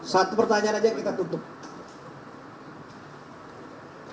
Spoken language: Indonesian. satu pertanyaan aja kita tutup